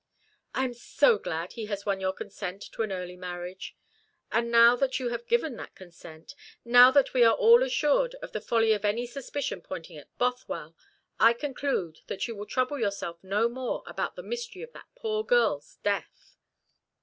"I am so glad he has won your consent to an early marriage. And now that you have given that consent now that we are all assured of the folly of any suspicion pointing at Bothwell I conclude that you will trouble yourself no more about the mystery of that poor girl's death."